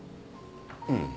うん。